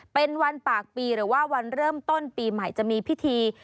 เป็นวันปากปีหรือว่าวันเริ่มต้นปีใหม่จะมีพิธี